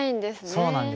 そうなんです。